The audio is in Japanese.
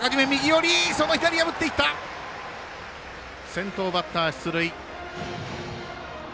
先頭バッター、出塁。